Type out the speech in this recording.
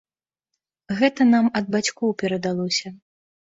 Гэта нам ад бацькоў перадалося.